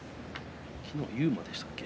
昨日は勇磨でしたっけ？